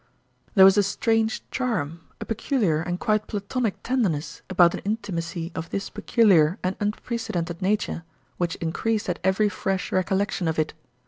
There was a strange charm, a peculiar and quite platonic tenderness about an intimacy of this peculiar and unprecedented nature, which increased at every fresh recollection of it.